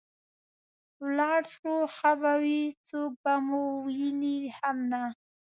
ولاړ شو ښه به وي، څوک به مو ویني هم نه.